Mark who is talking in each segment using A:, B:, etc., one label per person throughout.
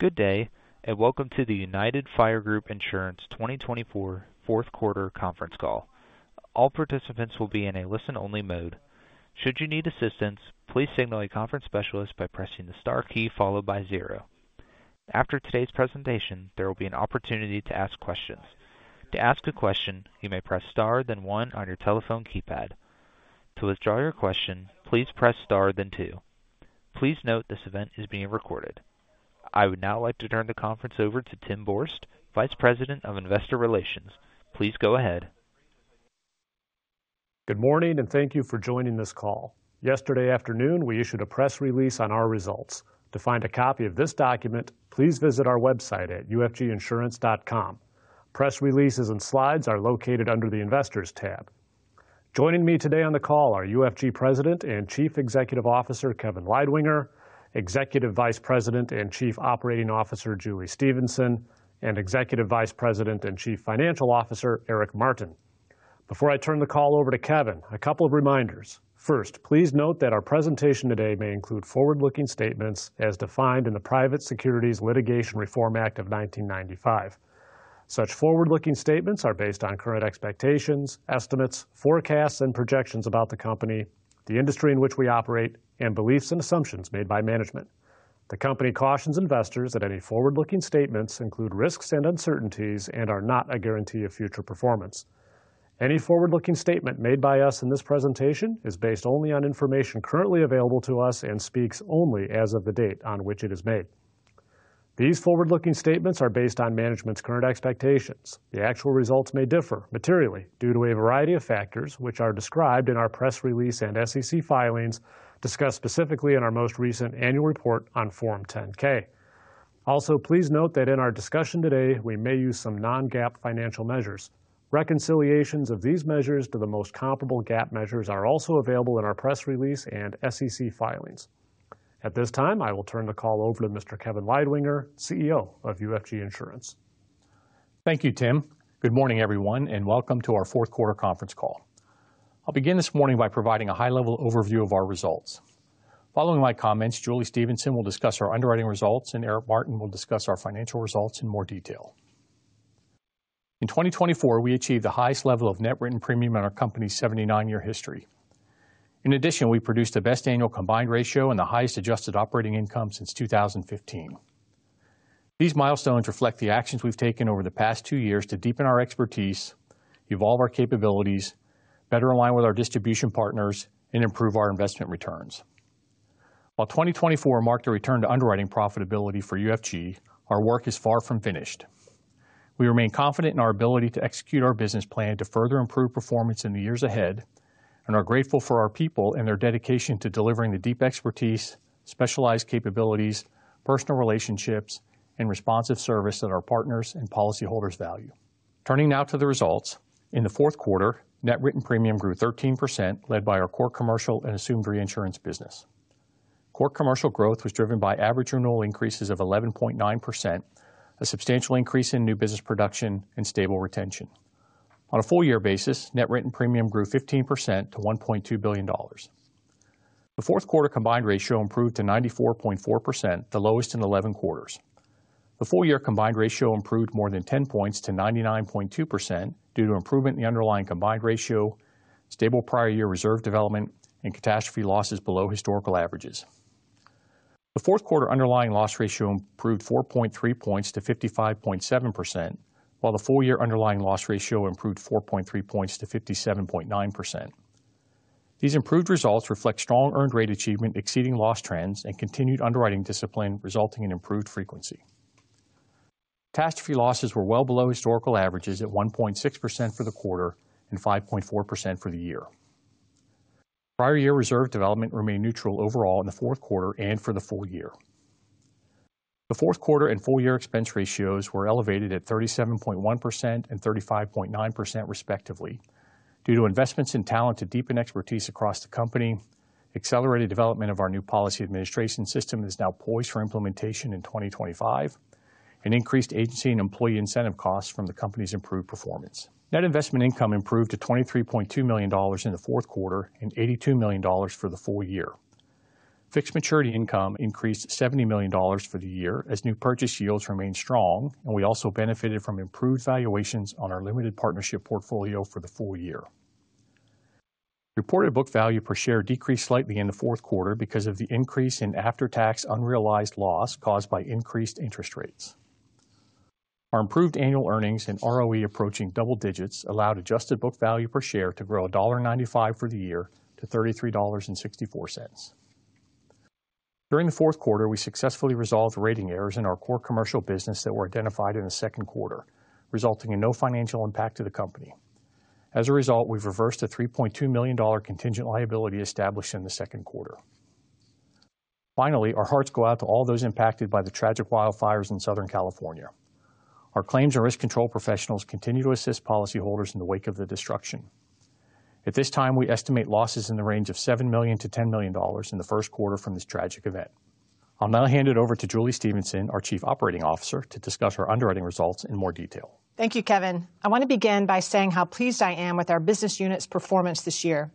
A: Good day, and welcome to the United Fire Group Insurance 2024 fourth quarter conference call. All participants will be in a listen-only mode. Should you need assistance, please signal a conference specialist by pressing the star key followed by zero. After today's presentation, there will be an opportunity to ask questions. To ask a question, you may press star, then one on your telephone keypad. To withdraw your question, please press star, then two. Please note this event is being recorded. I would now like to turn the conference over to Tim Borst, Vice President of Investor Relations. Please go ahead.
B: Good morning, and thank you for joining this call. Yesterday afternoon, we issued a press release on our results. To find a copy of this document, please visit our website at ufginsurance.com. Press releases and slides are located under the Investors tab. Joining me today on the call are UFG President and Chief Executive Officer Kevin Leidwinger, Executive Vice President and Chief Operating Officer Julie Stephenson, and Executive Vice President and Chief Financial Officer Eric Martin. Before I turn the call over to Kevin, a couple of reminders. First, please note that our presentation today may include forward-looking statements as defined in the Private Securities Litigation Reform Act of 1995. Such forward-looking statements are based on current expectations, estimates, forecasts, and projections about the company, the industry in which we operate, and beliefs and assumptions made by management. The company cautions investors that any forward-looking statements include risks and uncertainties and are not a guarantee of future performance. Any forward-looking statement made by us in this presentation is based only on information currently available to us and speaks only as of the date on which it is made. These forward-looking statements are based on management's current expectations. The actual results may differ materially due to a variety of factors, which are described in our press release and SEC filings discussed specifically in our most recent annual report on Form 10-K. Also, please note that in our discussion today, we may use some non-GAAP financial measures. Reconciliations of these measures to the most comparable GAAP measures are also available in our press release and SEC filings. At this time, I will turn the call over to Mr. Kevin Leidwinger, CEO of UFG Insurance.
C: Thank you, Tim. Good morning, everyone, and welcome to our fourth quarter conference call. I'll begin this morning by providing a high-level overview of our results. Following my comments, Julie Stephenson will discuss our underwriting results, and Eric Martin will discuss our financial results in more detail. In 2024, we achieved the highest level of net written premium in our company's 79-year history. In addition, we produced the best annual combined ratio and the highest adjusted operating income since 2015. These milestones reflect the actions we've taken over the past two years to deepen our expertise, evolve our capabilities, better align with our distribution partners, and improve our investment returns. While 2024 marked a return to underwriting profitability for UFG, our work is far from finished. We remain confident in our ability to execute our business plan to further improve performance in the years ahead and are grateful for our people and their dedication to delivering the deep expertise, specialized capabilities, personal relationships, and responsive service that our partners and policyholders value. Turning now to the results, in the fourth quarter, net written premium grew 13%, led by our core commercial and assumed reinsurance business. Core commercial growth was driven by average renewal increases of 11.9%, a substantial increase in new business production and stable retention. On a full-year basis, net written premium grew 15% to $1.2 billion. The fourth quarter combined ratio improved to 94.4%, the lowest in 11 quarters. The full-year combined ratio improved more than 10 points to 99.2% due to improvement in the underlying combined ratio, stable prior year reserve development, and catastrophe losses below historical averages. The fourth quarter underlying loss ratio improved 4.3 points to 55.7%, while the full-year underlying loss ratio improved 4.3 points to 57.9%. These improved results reflect strong earned rate achievement exceeding loss trends and continued underwriting discipline, resulting in improved frequency. Catastrophe losses were well below historical averages at 1.6% for the quarter and 5.4% for the year. Prior year reserve development remained neutral overall in the fourth quarter and for the full year. The fourth quarter and full-year expense ratios were elevated at 37.1% and 35.9%, respectively, due to investments in talent to deepen expertise across the company, accelerated development of our new policy administration system that is now poised for implementation in 2025, and increased agency and employee incentive costs from the company's improved performance. Net investment income improved to $23.2 million in the fourth quarter and $82 million for the full year. Fixed maturity income increased $70 million for the year as new purchase yields remained strong, and we also benefited from improved valuations on our limited partnership portfolio for the full year. Reported book value per share decreased slightly in the fourth quarter because of the increase in after-tax unrealized loss caused by increased interest rates. Our improved annual earnings and ROE approaching double digits allowed adjusted book value per share to grow $1.95 for the year to $33.64. During the fourth quarter, we successfully resolved rating errors in our core commercial business that were identified in the second quarter, resulting in no financial impact to the company. As a result, we've reversed a $3.2 million contingent liability established in the second quarter. Finally, our hearts go out to all those impacted by the tragic wildfires in Southern California. Our claims and risk control professionals continue to assist policyholders in the wake of the destruction. At this time, we estimate losses in the range of $7 million to $10 million in the first quarter from this tragic event. I'll now hand it over to Julie Stephenson, our Chief Operating Officer, to discuss her underwriting results in more detail.
D: Thank you, Kevin. I want to begin by saying how pleased I am with our business unit's performance this year.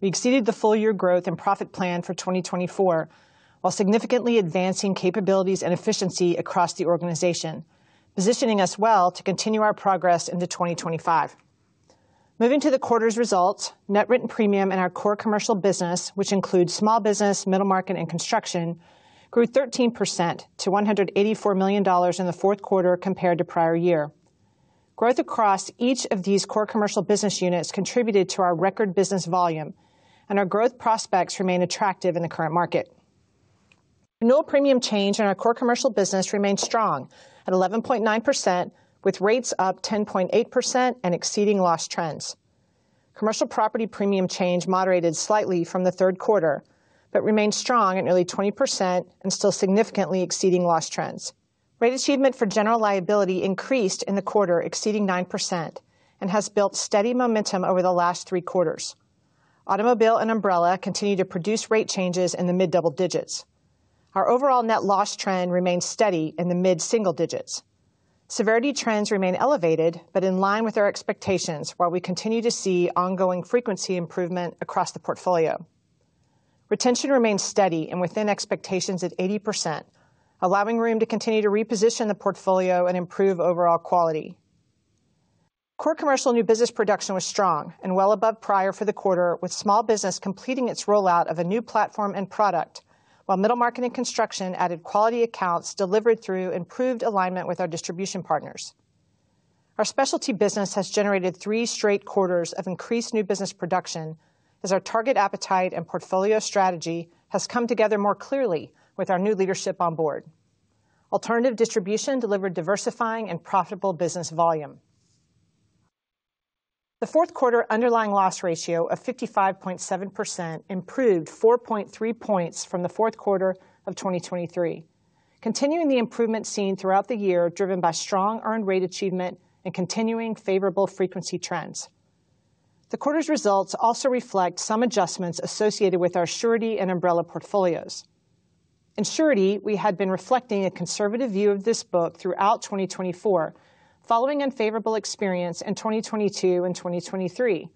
D: We exceeded the full-year growth and profit plan for 2024 while significantly advancing capabilities and efficiency across the organization, positioning us well to continue our progress into 2025. Moving to the quarter's results, net written premium in our core commercial business, which includes small business, middle market, and construction, grew 13% to $184 million in the fourth quarter compared to prior year. Growth across each of these core commercial business units contributed to our record business volume, and our growth prospects remain attractive in the current market. Renewal premium change in our core commercial business remained strong at 11.9%, with rates up 10.8% and exceeding loss trends. Commercial property premium change moderated slightly from the third quarter but remained strong at nearly 20% and still significantly exceeding loss trends. Rate achievement for general liability increased in the quarter, exceeding 9%, and has built steady momentum over the last three quarters. Automobile and umbrella continue to produce rate changes in the mid-double digits. Our overall net loss trend remains steady in the mid-single digits. Severity trends remain elevated but in line with our expectations, while we continue to see ongoing frequency improvement across the portfolio. Retention remains steady and within expectations at 80%, allowing room to continue to reposition the portfolio and improve overall quality. Core commercial new business production was strong and well above prior for the quarter, with small business completing its rollout of a new platform and product, while middle market and construction added quality accounts delivered through improved alignment with our distribution partners. Our specialty business has generated three straight quarters of increased new business production, as our target appetite and portfolio strategy has come together more clearly with our new leadership on board. Alternative distribution delivered diversifying and profitable business volume. The fourth quarter underlying loss ratio of 55.7% improved 4.3 points from the fourth quarter of 2023, continuing the improvement seen throughout the year driven by strong earned rate achievement and continuing favorable frequency trends. The quarter's results also reflect some adjustments associated with our surety and umbrella portfolios. In surety, we had been reflecting a conservative view of this book throughout 2024, following unfavorable experience in 2022 and 2023,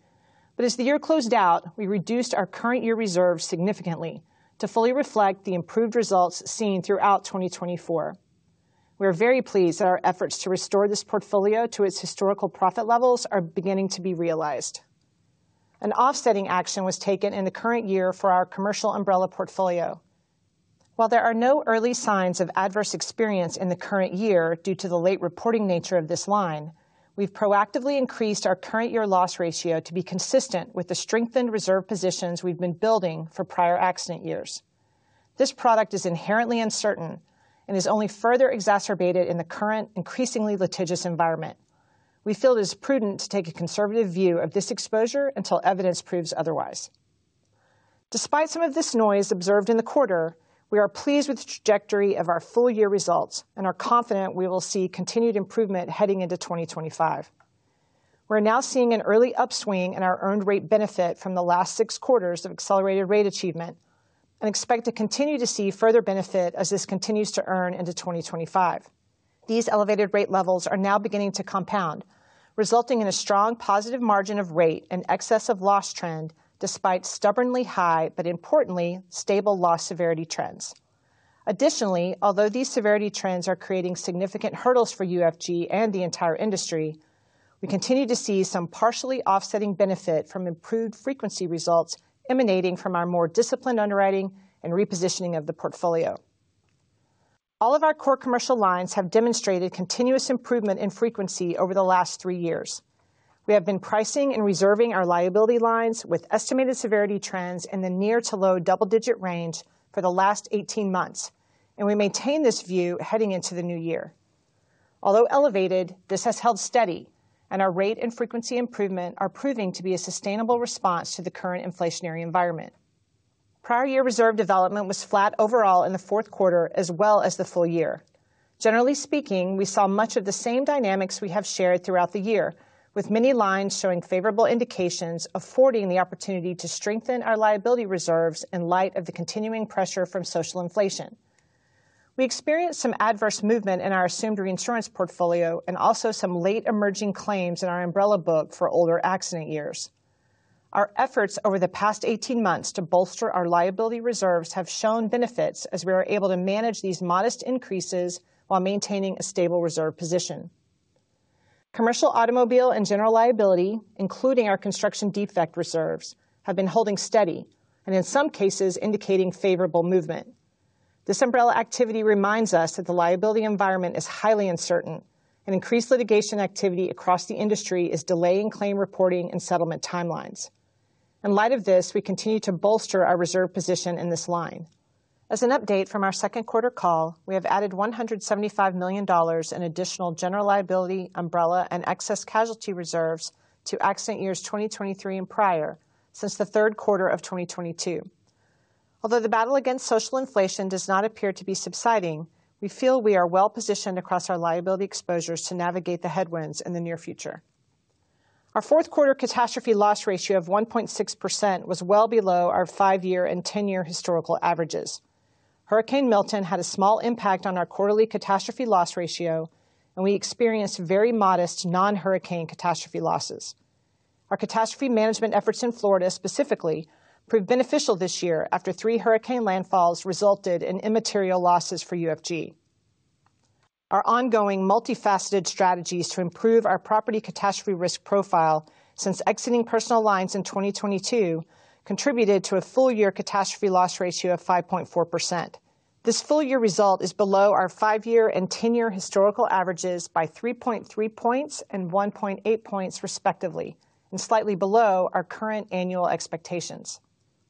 D: but as the year closed out, we reduced our current year reserves significantly to fully reflect the improved results seen throughout 2024. We are very pleased that our efforts to restore this portfolio to its historical profit levels are beginning to be realized. An offsetting action was taken in the current year for our commercial umbrella portfolio. While there are no early signs of adverse experience in the current year due to the late reporting nature of this line, we've proactively increased our current year loss ratio to be consistent with the strengthened reserve positions we've been building for prior accident years. This product is inherently uncertain and is only further exacerbated in the current increasingly litigious environment. We feel it is prudent to take a conservative view of this exposure until evidence proves otherwise. Despite some of this noise observed in the quarter, we are pleased with the trajectory of our full-year results and are confident we will see continued improvement heading into 2025. We're now seeing an early upswing in our earned rate benefit from the last six quarters of accelerated rate achievement and expect to continue to see further benefit as this continues to earn into 2025. These elevated rate levels are now beginning to compound, resulting in a strong positive margin of rate and excessive loss trend despite stubbornly high, but importantly, stable loss severity trends. Additionally, although these severity trends are creating significant hurdles for UFG and the entire industry, we continue to see some partially offsetting benefit from improved frequency results emanating from our more disciplined underwriting and repositioning of the portfolio. All of our core commercial lines have demonstrated continuous improvement in frequency over the last three years. We have been pricing and reserving our liability lines with estimated severity trends in the near to low double-digit range for the last 18 months, and we maintain this view heading into the new year. Although elevated, this has held steady, and our rate and frequency improvement are proving to be a sustainable response to the current inflationary environment. Prior year reserve development was flat overall in the fourth quarter as well as the full year. Generally speaking, we saw much of the same dynamics we have shared throughout the year, with many lines showing favorable indications affording the opportunity to strengthen our liability reserves in light of the continuing pressure from social inflation. We experienced some adverse movement in our assumed reinsurance portfolio and also some late emerging claims in our umbrella book for older accident years. Our efforts over the past 18 months to bolster our liability reserves have shown benefits as we are able to manage these modest increases while maintaining a stable reserve position. Commercial automobile and general liability, including our construction defect reserves, have been holding steady and in some cases indicating favorable movement. This umbrella activity reminds us that the liability environment is highly uncertain, and increased litigation activity across the industry is delaying claim reporting and settlement timelines. In light of this, we continue to bolster our reserve position in this line. As an update from our second quarter call, we have added $175 million in additional general liability, umbrella, and excess casualty reserves to accident years 2023 and prior since the third quarter of 2022. Although the battle against social inflation does not appear to be subsiding, we feel we are well positioned across our liability exposures to navigate the headwinds in the near future. Our fourth quarter catastrophe loss ratio of 1.6% was well below our five-year and 10-year historical averages. Hurricane Milton had a small impact on our quarterly catastrophe loss ratio, and we experienced very modest non-hurricane catastrophe losses. Our catastrophe management efforts in Florida specifically proved beneficial this year after three hurricane landfalls resulted in immaterial losses for UFG. Our ongoing multifaceted strategies to improve our property catastrophe risk profile since exiting personal lines in 2022 contributed to a full-year catastrophe loss ratio of 5.4%. This full-year result is below our five-year and 10-year historical averages by 3.3 points and 1.8 points respectively and slightly below our current annual expectations.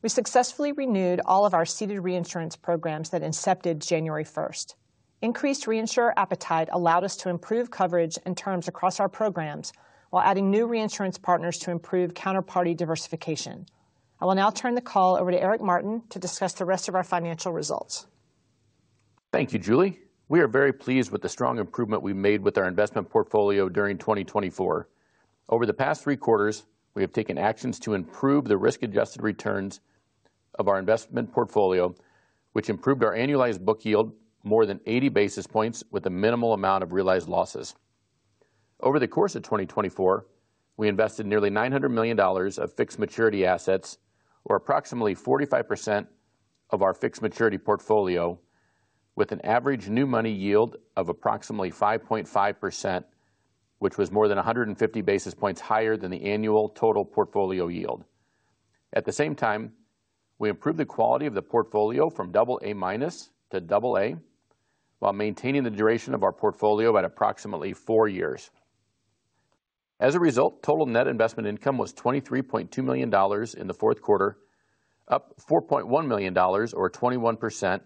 D: We successfully renewed all of our ceded reinsurance programs that incepted January 1st. Increased reinsurer appetite allowed us to improve coverage and terms across our programs while adding new reinsurance partners to improve counterparty diversification. I will now turn the call over to Eric Martin to discuss the rest of our financial results.
E: Thank you, Julie. We are very pleased with the strong improvement we've made with our investment portfolio during 2024. Over the past three quarters, we have taken actions to improve the risk-adjusted returns of our investment portfolio, which improved our annualized book yield more than 80 basis points with a minimal amount of realized losses. Over the course of 2024, we invested nearly $900 million of fixed maturity assets, or approximately 45% of our fixed maturity portfolio, with an average new money yield of approximately 5.5%, which was more than 150 basis points higher than the annual total portfolio yield. At the same time, we improved the quality of the portfolio from AA- to AA while maintaining the duration of our portfolio at approximately four years. As a result, total net investment income was $23.2 million in the fourth quarter, up $4.1 million, or 21%,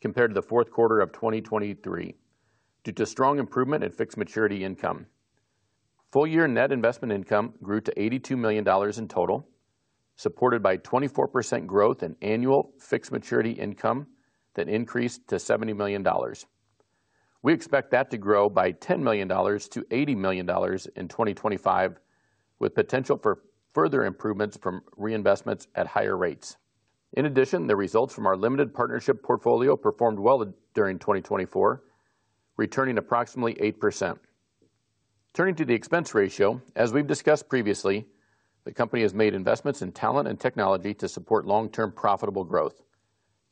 E: compared to the fourth quarter of 2023, due to strong improvement in fixed maturity income. Full-year net investment income grew to $82 million in total, supported by 24% growth in annual fixed maturity income that increased to $70 million. We expect that to grow by $10 million to $80 million in 2025, with potential for further improvements from reinvestments at higher rates. In addition, the results from our limited partnership portfolio performed well during 2024, returning approximately 8%. Turning to the expense ratio, as we've discussed previously, the company has made investments in talent and technology to support long-term profitable growth.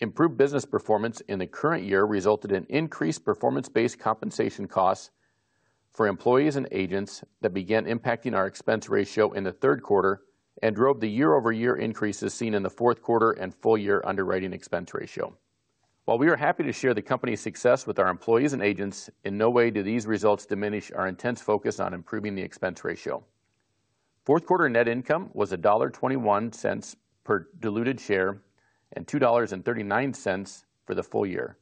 E: Improved business performance in the current year resulted in increased performance-based compensation costs for employees and agents that began impacting our expense ratio in the third quarter and drove the year-over-year increases seen in the fourth quarter and full-year underwriting expense ratio. While we are happy to share the company's success with our employees and agents, in no way do these results diminish our intense focus on improving the expense ratio. Fourth quarter net income was $1.21 per diluted share and $2.39 for the full year.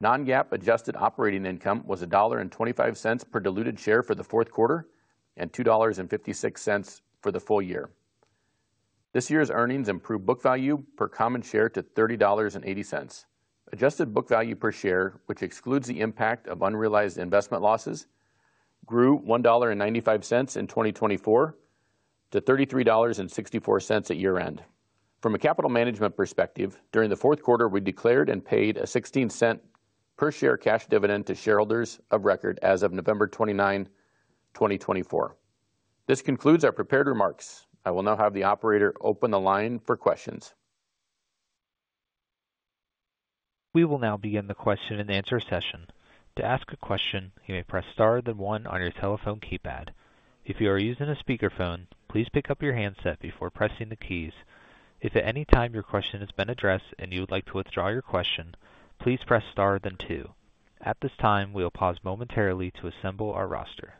E: Non-GAAP adjusted operating income was $1.25 per diluted share for the fourth quarter and $2.56 for the full year. This year's earnings improved book value per common share to $30.80. Adjusted book value per share, which excludes the impact of unrealized investment losses, grew $1.95 in 2024 to $33.64 at year-end. From a capital management perspective, during the fourth quarter, we declared and paid a $0.16 per share cash dividend to shareholders of record as of November 29th, 2024. This concludes our prepared remarks. I will now have the operator open the line for questions.
A: We will now begin the question and answer session. To ask a question, you may press star then one on your telephone keypad. If you are using a speakerphone, please pick up your handset before pressing the keys. If at any time your question has been addressed and you would like to withdraw your question, please press star then two. At this time, we will pause momentarily to assemble our roster.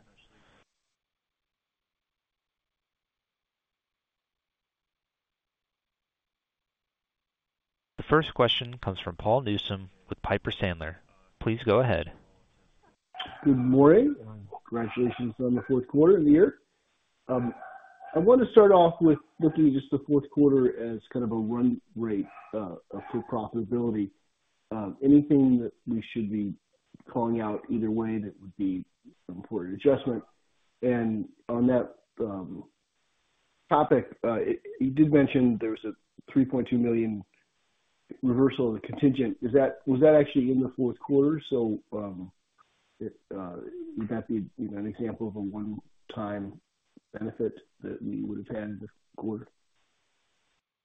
A: The first question comes from Paul Newsome with Piper Sandler. Please go ahead.
F: Good morning. Congratulations on the fourth quarter of the year. I want to start off with looking at just the fourth quarter as kind of a run rate for profitability. Anything that we should be calling out either way that would be an important adjustment. And on that topic, you did mention there was a $3.2 million reversal of the contingent. Was that actually in the fourth quarter? So would that be an example of a one-time benefit that we would have had this quarter?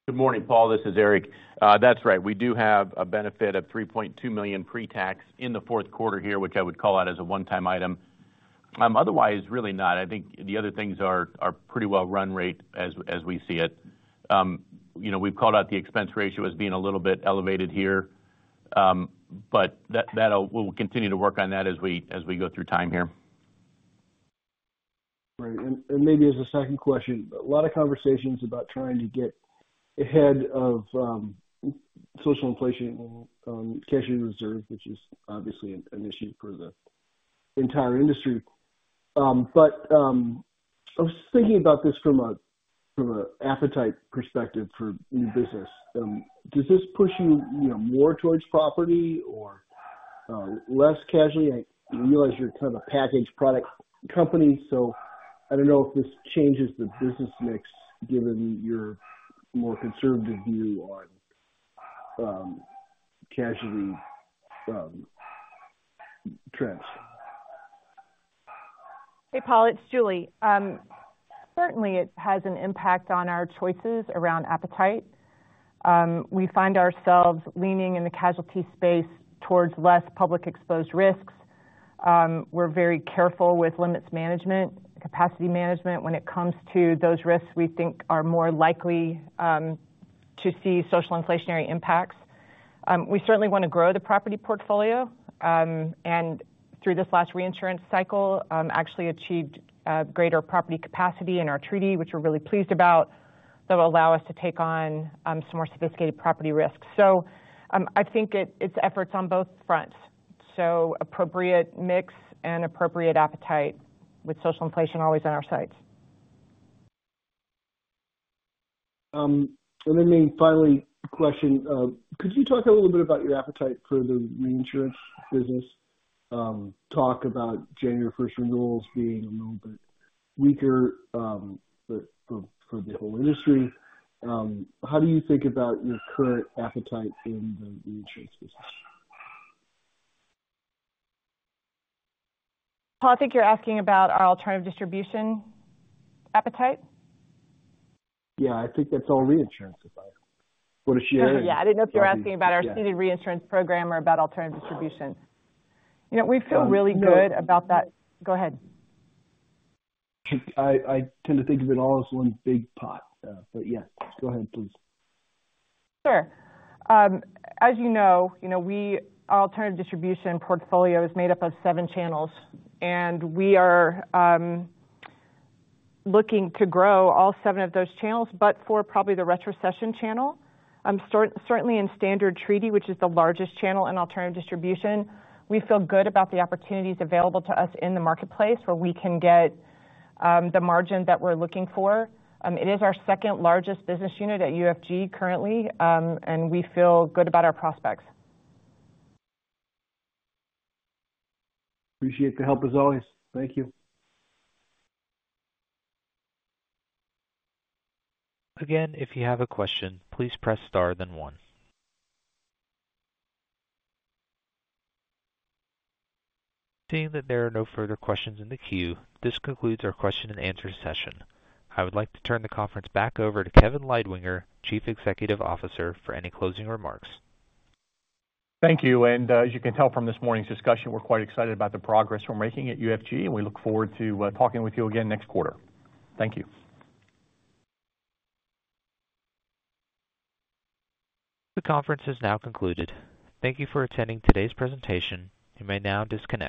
E: Good morning, Paul. This is Eric. That's right. We do have a benefit of $3.2 million pre-tax in the fourth quarter here, which I would call out as a one-time item. Otherwise, really not. I think the other things are pretty well run rate as we see it. We've called out the expense ratio as being a little bit elevated here, but we'll continue to work on that as we go through time here.
F: Right. And maybe as a second question, a lot of conversations about trying to get ahead of social inflation and cash reserves, which is obviously an issue for the entire industry. But I was thinking about this from an appetite perspective for new business. Does this push you more towards property or less casualty? I realize you're kind of a package product company, so I don't know if this changes the business mix given your more conservative view on casualty trends.
D: Hey, Paul. It's Julie. Certainly, it has an impact on our choices around appetite. We find ourselves leaning in the casualty space towards less public-exposed risks. We're very careful with limits management, capacity management when it comes to those risks we think are more likely to see social inflationary impacts. We certainly want to grow the property portfolio, and through this last reinsurance cycle, actually achieved greater property capacity in our treaty, which we're really pleased about, that will allow us to take on some more sophisticated property risks. So I think it's efforts on both fronts, so appropriate mix and appropriate appetite with social inflation always on our side.
F: And then the final question, could you talk a little bit about your appetite for the reinsurance business? Talk about January 1st renewals being a little bit weaker for the whole industry. How do you think about your current appetite in the reinsurance business?
D: Paul, I think you're asking about our alternative distribution appetite?
F: Yeah. I think that's all reinsurance. What is she hearing?
D: Yeah. I didn't know if you were asking about our ceded reinsurance program or about alternative distribution. We feel really good about that. Go ahead.
F: I tend to think of it all as one big pot, but yeah, go ahead, please.
D: Sure. As you know, our alternative distribution portfolio is made up of seven channels, and we are looking to grow all seven of those channels, but for probably the retrocession channel. Certainly, in standard treaty, which is the largest channel in alternative distribution, we feel good about the opportunities available to us in the marketplace where we can get the margin that we're looking for. It is our second largest business unit at UFG currently, and we feel good about our prospects.
F: Appreciate the help as always. Thank you.
A: Again, if you have a question, please press star then one. Seeing that there are no further questions in the queue, this concludes our question and answer session. I would like to turn the conference back over to Kevin Leidwinger, Chief Executive Officer, for any closing remarks.
C: Thank you. And as you can tell from this morning's discussion, we're quite excited about the progress we're making at UFG, and we look forward to talking with you again next quarter. Thank you.
A: The conference has now concluded. Thank you for attending today's presentation. You may now disconnect.